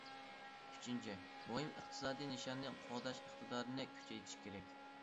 ئۈچىنچى، مۇھىم ئىقتىسادىي نىشاننى قوغداش ئىقتىدارىنى كۈچەيتىش كېرەك.